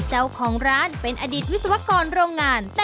เจ้าของร้านเป็นอดีตวิศวกรโรงงาน